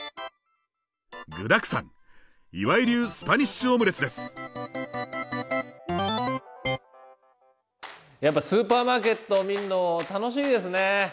具だくさんやっぱスーパーマーケット見るの楽しいですね。